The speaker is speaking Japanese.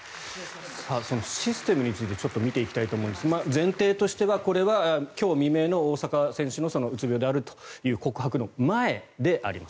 システムについてちょっと見ていきたいと思うんですが前提としてはこれは今日未明の大坂選手のうつ病であるという告白の前であります。